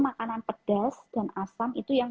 makanan pedas dan asam itu yang